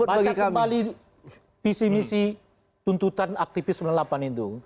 baca kembali visi misi tuntutan aktivis sembilan puluh delapan itu